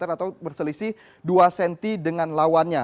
atau berselisih dua cm dengan lawannya